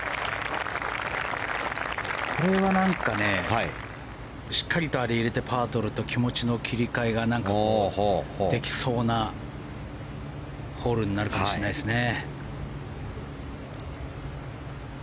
これは何かね、しっかりあれを入れてパーをとると気持ちの切り替えができそうなホールになるかもしれないですね。